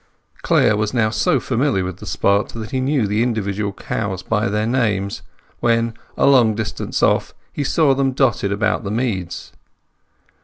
Clare was now so familiar with the spot that he knew the individual cows by their names when, a long distance off, he saw them dotted about the meads.